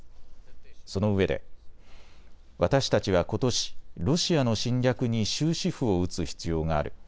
そのうえで私たちはことし、ロシアの侵略に終止符を打つ必要がある。